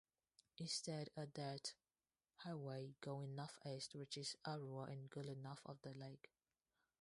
Instead a dirt highway going north-east reaches Arua and Gulu north of the lake.